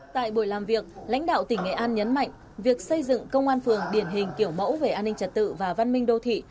tại buổi làm việc lãnh đạo tỉnh nghệ an nhấn mạnh việc xây dựng công an phường điển hình kiểu mẫu về an ninh trật tự và văn minh đô thị